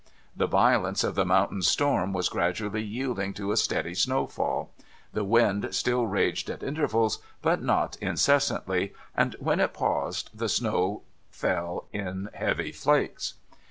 The violence of the mountain storm was gradually yielding to a steady snowfall. The wind still raged at intervals, but not incessantly; and when it paused, the snow fell in heavy flakes.